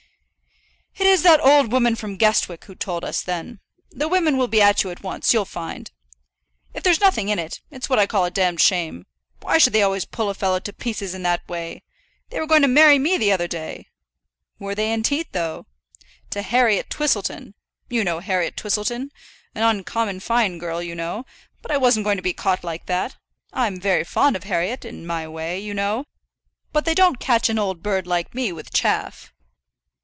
"It is that old woman from Guestwick who told us, then. The women will be at you at once, you'll find. If there's nothing in it, it's what I call a d shame. Why should they always pull a fellow to pieces in that way? They were going to marry me the other day!" "Were they indeed, though?" "To Harriet Twistleton. You know Harriet Twistleton? An uncommon fine girl, you know. But I wasn't going to be caught like that. I'm very fond of Harriet, in my way, you know; but they don't catch an old bird like me with chaff."